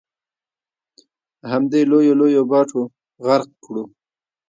همدې لویو لویو باټو غرق کړو.